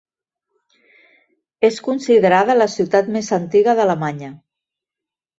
És considerada la ciutat més antiga d'Alemanya.